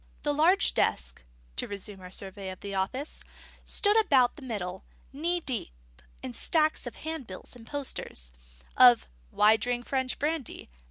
The large desk (to resume our survey of the office) stood about the middle, knee deep in stacks of handbills and posters, of _Why Drink French Brandy?